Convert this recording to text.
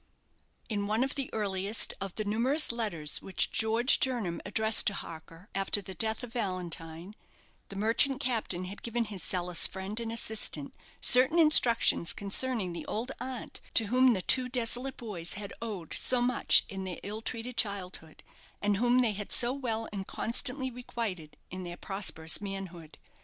In one of the earliest of the numerous letters which George Jernam addressed to Harker, after the death of Valentine, the merchant captain had given his zealous friend and assistant certain instructions concerning the old aunt to whom the two desolate boys had owed so much in their ill treated childhood, and whom they had so well and constantly requited in their prosperous manhood.